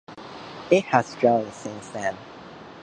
It has grown since then.